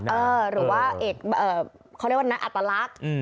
หรือว่าเขาเรียกว่าอัตลักษณ์